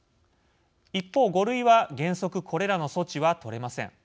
一方、５類は原則これらの措置は取れません。